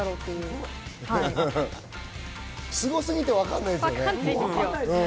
すごすぎて分かんないよね。